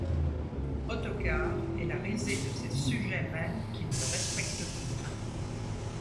Ottokar est la risée de ses sujets même qui ne le respectent plus.